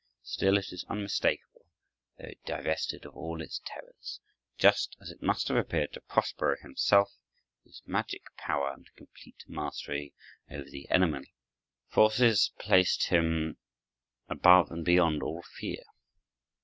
Still, it is unmistakable, though divested of all its terrors, just as it must have appeared to Prospero himself, whose magic power and complete mastery over the elemental forces placed him above and beyond all fear.